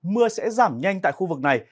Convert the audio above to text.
mưa sẽ giảm nhanh tại khu vực này